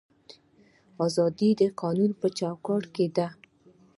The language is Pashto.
ازادي د قانون په چوکاټ کې ده